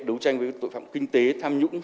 đấu tranh với tội phạm kinh tế tham nhũng